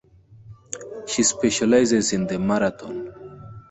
She specialises in the marathon.